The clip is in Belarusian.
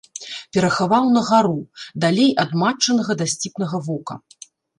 Перахаваў на гару, далей ад матчынага дасціпнага вока.